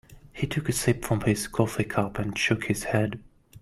He took a sip from his coffee cup and shook his head.